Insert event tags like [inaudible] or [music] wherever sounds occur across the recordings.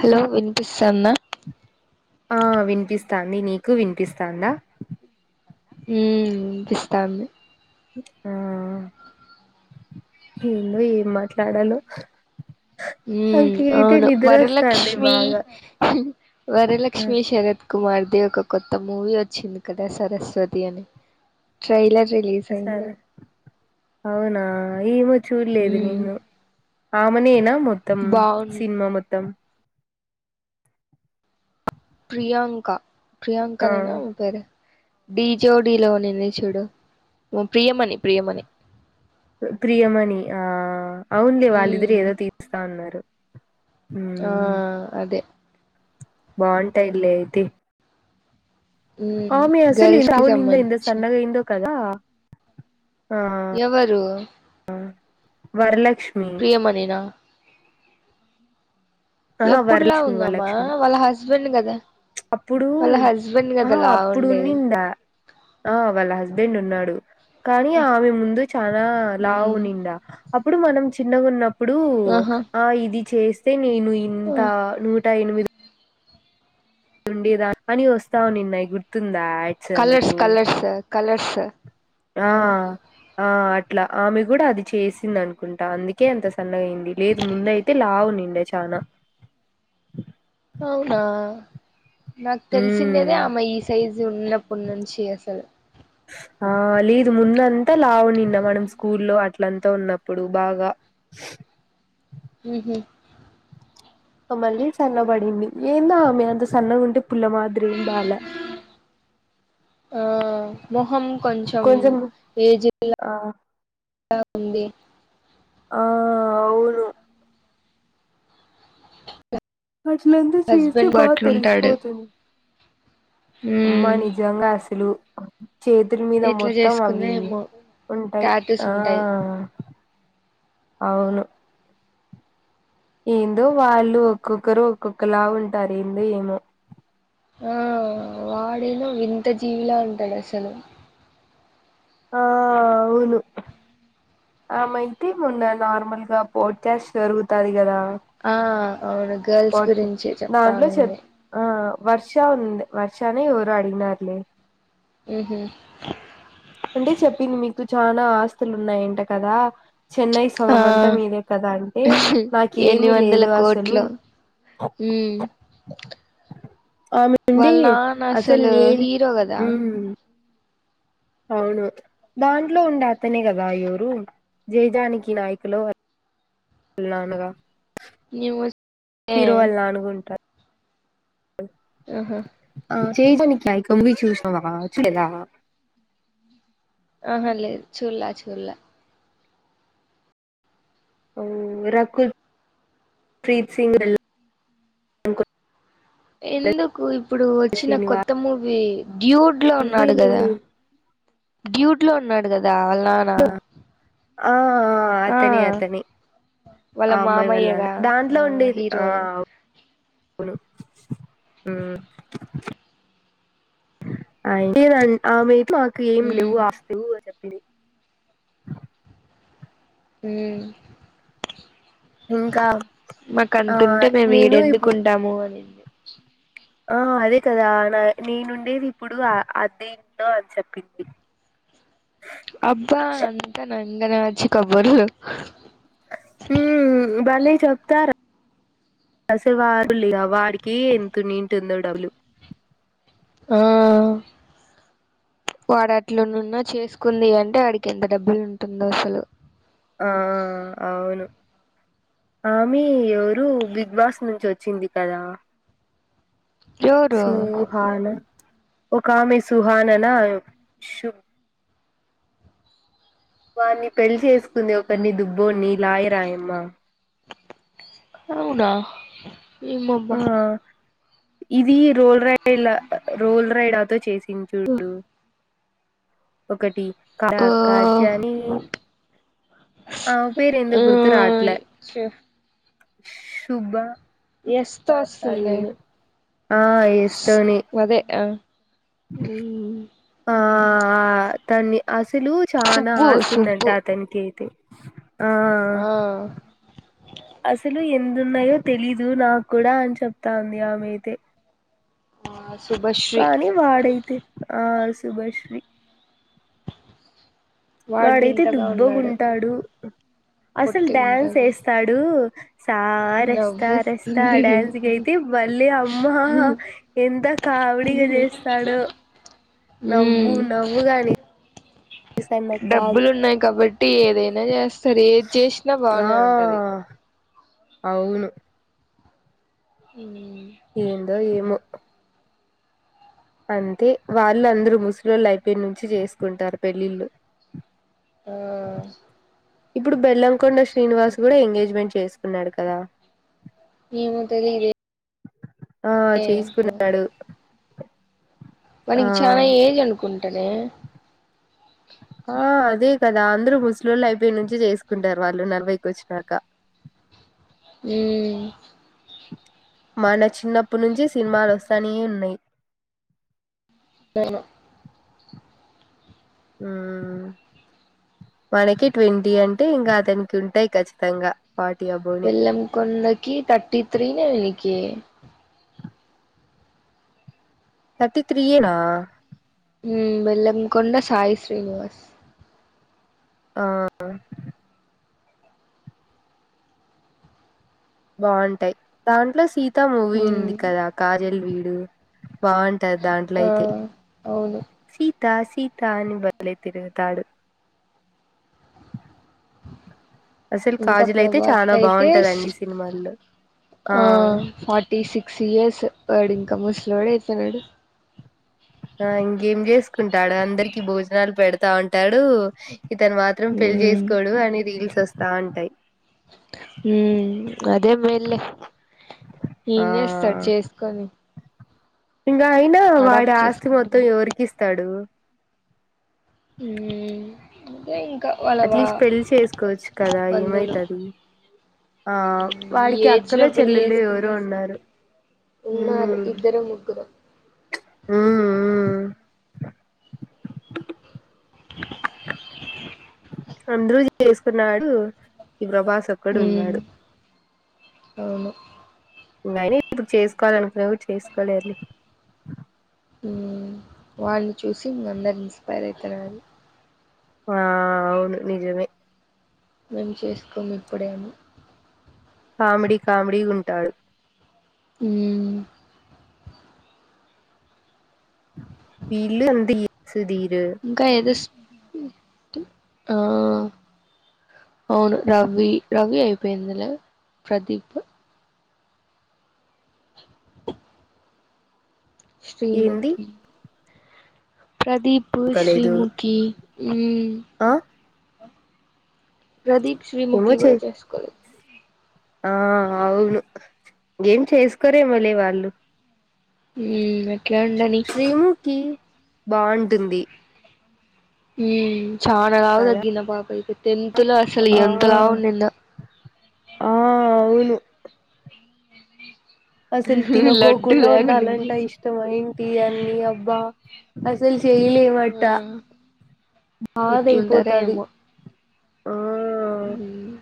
Hello వినిపిస్తందా ఆ వినిపిస్తాంది నీకు వినిపిస్తాందా ఉమ్ ఇప్పిస్తాంది ఆ ఏందో ఏం మాట్లాడాలో ఉమ్ నాకైతే అవును నిద్రొస్తాంది వరలక్ష్మి బాగా. ఆ! వరలక్ష్మి శరత్ కుమార్ అదే ఒక కొత్త మూవీ వచ్చింది కదా సరస్వతి అని ట్రైలర్ రిలీజ్ అయింది సరే అవునా ఏమో చూడలేదు ఉమ్ నేను ఆ మనియేనా మొత్తం బాగుంది సినిమా మొత్తం ప్రయాంక ఆ! ప్రయాంకనేనా ఆమె పేరు డిజోడిలో ఉన్నింది చూడు ప్రయమణి ప్రియమణి ప్రియమణి ఆ అవునులే వాళ్ళిద్దరు ఉమ్ ఏదో తీస్తా ఉన్నారు ఆ అదే బాగుంటాయిల్లే అయితే అ ఉమ్ మీ అసలు గర్ల్స్ ఇంద కి అవునుంద ఎంత సంబంధించిన సన్నగా అయిదో కదా ఆ! ఎవరు వరల్క్ ప్రయమణినా అహా! ఎప్పుడు వరలక్ష్మి, లావుందమ్మ వరలక్ష్మి. వాళ్ళ హస్బెండ్ కదా అప్పుడు వాళ్ళ హస్బెండ్ ఆ కదా లా అప్పుడు ఉండేది ఉన్నిందా ఆ వాళ్ళ హస్బెండ్ ఉన్నాడు కానీ ఆమె ముందు చాలా లావు ఉన్నిండా అప్పుడు మనం చిన్నగా ఉన్న ఇప్పుడు ఆహా ఆ ఇది చేస్తే నేను ఇంత నూట ఎనిమిది ఉండేదా అని వస్తావునిన్నయి గుర్తుందా యాడ్స్ కలర్స్ అందుకు కలర్స్ కలర్స్ ఆ ఆ అట్లా ఆమె కూడా అది చేసింది అనుకుంటా అందుకే అంత సన్నగా అయింది లేదు ముందైతే లావు ఉన్నిండా చానా అవునా నాకు మ్మ్ తెలిసిండేదే ఆమె ఈ సైజు ఉన్నప్పుటి నుంచి అసలు ఆ లేదు ముందంతా లావు ఉన్నిండా మనం స్కూ లో అట్లంతా ఉన్నప్పుడు బాగా ఉహూ మళ్ళీ సన్నబడింది ఏందోఆమె అంత సన్నగుంటే పుల్లమద్రి బాలా ఆ మొహం కొంచెం ఏజ్లా ఆ లా ఉంది ఆ అవును వాట్లంతా చేస్తే హస్బెండ్ బాగా అట్లుంటాడు తెలిసిపోతుంది అమ్మా ఉమ్ నిజంగా అసలు చేతుల మీద ఎట్లా మొత్తం చేసుకుందో అవి ఏమో ఉంటాయి టాటూస్ ఆ ఉంటాయి అవును ఏందో వాళ్ళు ఒక్కొక్కరు ఒక్కొక్కలా ఉంటారు ఏందో ఏమో ఆ వాడేదోవింత జీవిలా అంటాడు అసలు ఆ అవును ఆమయితే మొన్న నార్మల్గా పోడ్ క్యాస్ట్ జరుగుతది కదా ఆ అవును గర్ల్స్ పోడ్కా గురించి చెప్తానండి వర్షా ఉంది వర్షనే ఎవరో అడినారులే ఉహూ అంటే చెప్పింది మీకు చనా ఆస్తులు ఉన్నాయంట కదా చెన్నై ఆ సొగం అంతా మీదే కదా అంటే నాకేమి లేదు అసలు హు ఆమె నుండి వాళ్ళ నాన్న అసలు హీరో కదా ఉమ్ అవును దాంట్లో ఉండే అతనే కదా ఎవరు జయజానికి నాయికులో వాళ్ళ నాన గా మేము ఏ హీరో వల్ల అనుగుంటారు ఆహా జయ జానకి నాయక మూవీ చూసినవా చూడలేదా ఆహా లేదు చూల్లా చూల్లా అ రకుల్ ప్రీత్ సింగ్ ఎందుకు ఇప్పుడు వచ్చిన కొత్త శ్రీనివాస్ మూవీ డ్యూట్ లో ఉన్నాడు నువ్వేలే కదా డ్యూట్ లో ఉన్నాడు కదా వాళ్ళ నాన్న ఆ ఆ అతని అతని వాళ్ళ ఆ అమ్మాయి వాళ్ళ నానా మామయ్యగా ఆ దాంట్లో ఉండేది ఆ హీరోలు అవును ఆ అయితేద ఆమె మాకు ఏం లేవు ఉమ్ ఆస్తవ్ చెప్ ఇ ఉమ్ ఇంకా మాకు ఆ అంటుంటే మేము నేను ఈడెందుకు ఇప్పుడు ఉంటాము అనింది ఆ అదే కదా నా నేనుండేది ఇప్పుడు అదే ఇంట్లో అని చెప్పింది అబ్బా అంత నంగనాచి కబురు హ బళ్ళీ చెప్తారా అసలువారులి వాడికి ఎంత ఉనింటుందో డబులు ఆ వాడ అట్లు నున్నా చేసుకుంది అంటే వాడికి ఎంత డబ్బులు ఉంటుందో అసలు ఆ అవును ఆమె ఎవరు బిగ్ బాస్ నుంచి వచ్చింది కదా ఎవరు సూహను ఒక ఆమె సుహాననషుబ్ వారిని పెళ్ళి చేసుకుంది ఒకరిని దుబ్బోని లాయర్ ఆయమ్మ అవున ఏమో అబ్బా ఆ ఇది రోల్ రైడ్ల రోల్ రైడ్తో చేసింది చూడు ఒకటి ఆ కాజ్యాని ఆ పేరు ఎందొ ఆ గుర్తు రాట్ల సుబ్బా ఎస్ తో వస్తుంది హా ఎస్ తోని అదే ఆ ఆ తన్ని అసలు చనా సుబ్బు ఆస్తుందంట సుబ్బు అతనికి అయితే ఆ ఆ అసలు ఎంత ఉన్నాయో తెలీదు నాకు కూడా అని చెప్తాంది ఆమెద ఆ శుభశ్రీ కానీ వాడైతే ఆ శుభాశ్రీ వాడు వాడైతే వింతగా ఉన్నాడు దుబ్బగుంటాడు అసలు డ్యాన్స్ పొట్టిగుంటాడు వేస్తాడు స రస్తా రస్తా నవ్వొస్తుంది డ్యాన్స్ గైతి బల్లి అమ్మా ఎంత కా కామెడీ గా చేస్తాడు నవ్వు మ్మ్ నవ్వు కాని డబ్బులు ఉన్నాయి కాబట్టి ఏదైనా చేస్తారు ఏది చేసినా ఆ బానే ఉంటది అవును ఉమ్ ఏందో ఏమో అంతే వాళ్ళు అందరూ ముసలోలు అయిపొయినించి చేసుకుంటారు పెళ్ళిళ్ళు ఆ ఇప్పుడు బెల్లంకొండ శ్రీనివాస్ కూడా ఎంగేజ్మెంట్ చేసుకున్నాడు కదా ఏమో తెలియదే ఆ చేసుకున్నాడు ఆ వానికి చాలా ఏజ్ అనుకుంటనే ఆ అదే కదా అందరూ ముసల్లోలు అయిపోయి నుంచి చేసుకుంటారు వాళ్ళు నలభైకి వచ్చినాక ఉమ్ మన చిన్నపటినుంచి సినిమాలు వస్తానే ఉన్నాయి అవును ఆ మనకి ట్వంటీ అంటే ఇంకా అతనికి ఉంటాయి ఖచ్చితంగా ఫార్టీ అబోనే బెల్లం కొండకి థర్టీ త్రీనే వీళ్ళకి థర్టీ త్రీయేనా హ్మ్ బెల్లం కొండ సాయి శ్రీనివాస్ ఆ బాగుంటాయి దాంట్లో సీతా మూవీ ఉంది ఉమ్ కదా కాజల్ వీడు బాగుంటాది దాంట్లో ఆ అయితే అవును సీ త సీత అని వదిలి తిరుగుతాడు అసలు ఇంకా కాజల్ అయితే ప్రభాస్ చాలా కైతే బాగుంటదండి సినిమాల్లో ఆ ఫార్టీ సిక్స్ ఇయర్స్ వాడు ఇంకా ముసలోడు అయితానాడు ఆ ఇంకేం చేసుకుంటాడు అందరికి భోజనాలు పెడతా ఉంటాడు ఇతను మాత్రం పెళ్లి ఉమ్ చేసుకోడు అని రీల్స్ వస్తా ఉంటాయి హమ్ అదేం లేదులే ఏం చేస్తాడు ఆ చేసుకొని ఇంకా అయినా వాడి అడాప్ట్ ఆస్తి మొత్తం చేసుకుంటున్నాయి ఎవరికిస్తాడు ఉ అట్లీస్ట్ పెళ్ళి చేసుకోవచ్చు కదా బంధువులు ఏమైతాది ఆ ఈ వాడికి ఏజ్ లో అక్కలు పెళ్లి చెల్లెళ్ళు చేసుకుంటే ఎవరో ఉన్నారు ఉన్నారు ఇద్దరు ముగ్గురో హమ్ హమ్ అందరూ చేసుకున్నారు ఈ ప్రభాస్ ఒక్కడు ఉమ్ ఉన్నాడు అవును నయినీ ఇప్పుడు చేసుకోవాలి అనుకున చేసుకోలేరులే వాలని చూసి ఇంకా అందరూ ఇన్స్పైర్ అయితారు గాని ఆ అవును నిజమే మేము చేసుకోము ఇప్పుడే అని కామెడీ కామెడీగా ఉంటాడు ఉమ్ వీళ్ళు అంతే ఈ సుదీరు ఇంకా ఏదో ఆ అవును రవి రవి అయిపోయిందిలే ప్రదీప్ ఏంది శ్రీముఖీ ప్రదీప్ కలేదు శ్రీముఖి హమ్ ఆ ప్రదీప్ ఏమో శ్రీముఖి చే కూడా చేసుకోలేధు ఆ అవును ఏం చేసుకోరెమోలే వాళ్ళు హమ్ గట్లా ఉండని కి బాగుంటుంది హమ్ చాల లావు కదా తగ్గింది పాప ఇక టెన్త్ లో అసలు ఆ ఎంత లావు ఉండిందో ఆ ఆ అవును [unintelligible] అసలు లడ్డు తినకోకుండా లాగా ఉండింది ఉండాలంట ఇష్టం మైంది అన్ని అబ్బా అసలు చేయలేమట ఆ బాధ ఎట్లుంటారో అయిపోతాది ఏమో ఉమ్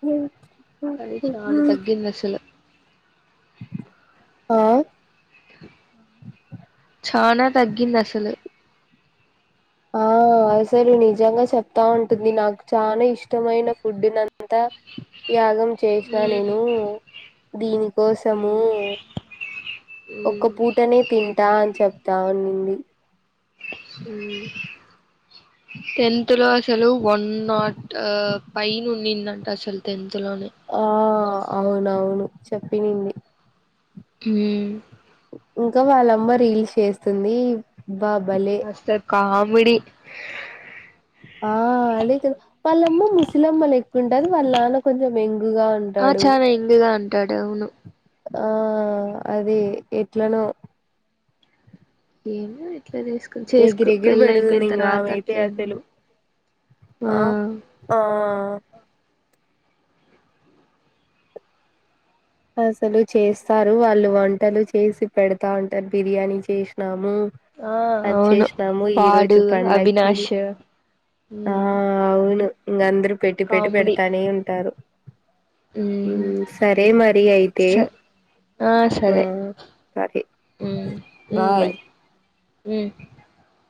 హు కానీ చాల తగ్గింది అసలు ఆ చాన తగ్గింది అసలు ఆ [inaudible] అసలు నిజంగా చెప్తా ఉంటుంది నాకు చాలా ఇష్టమైన ఫుడ్ ఇదంతా [unintelligible] చేసినా ఉమ్ నేను దీనికోసము ఉమ్ ఒక్క ఉమ్ పూటనే తింటా అని చెప్తా ఉన్నింది ఉమ్ [inaudible] టెన్త్ లో అసలు వన్ నాట్ పైన్ ఉన్నిందట అసలు టెన్త్ లోనే ఆ అవునవును చెప్పినింది హు ఇంకా వాళ్ళమ్మ రీల్స్ చేస్తుంది బా భలే అసలు కామెడి ఆ అదే కదా వాళ్ళమ్మ ముసలిమ్మ లెక్క ఉంటది వాళ్ళ నాన్న కొంచెం ఎ ఆ చాన యంగ్ గా ఉంటాడు అవును ఆ అది ఎట్లనో ఎగిరెగిరి పెళ్లి అయిపోయిన పెడుతుంది ఇంగ తర్వాత ఆమె అయితే అట్లా అసలు ఏందమో ఆ ఆ అసలు చేస్తారు వాళ్ళు వంటలు చేసి పెడతా ఉంటారు బిర్యానీ చేసినా ఆ అవును ఈ వాడు రోజు పండక్కి అవినాష్ హు ఆ అవును ఇంగ అందరు పెట్టి పెట్టి పెడతానే ఉంటారు ఉమ్ సరే మరి అయితే ఆ సరే సరే ఉ బాయ్ ఉ